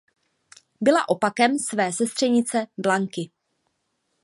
Byla opakem své sestřenice Blanky.